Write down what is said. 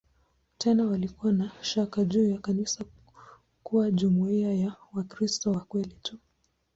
Tena walikuwa na shaka juu ya kanisa kuwa jumuiya ya "Wakristo wa kweli tu".